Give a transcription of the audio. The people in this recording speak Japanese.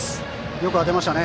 よく当てましたね。